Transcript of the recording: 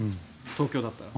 東京だったら。